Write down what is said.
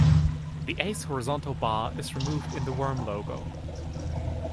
The A's horizontal bar is removed in the worm logo.